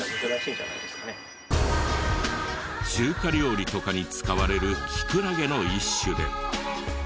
中華料理とかに使われるキクラゲの一種で。